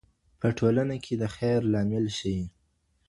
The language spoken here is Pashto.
په ټولنه کې د خیر لامل شئ.